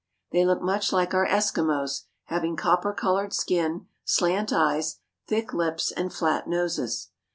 They look much like our Eskimos, having copper colored skin, slant eyes, thick lips, and flat noses.